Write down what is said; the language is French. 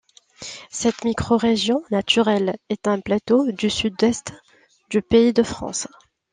Cette micro-région naturelle est un plateau du sud-est du Pays de France.